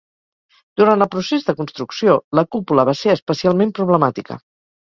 Durant el procés de construcció, la cúpula va ser especialment problemàtica.